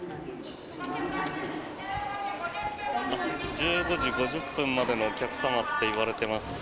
１５時５０分までのお客様って言われてます。